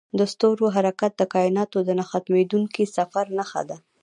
د ستورو حرکت د کایناتو د نه ختمیدونکي سفر نښه ده.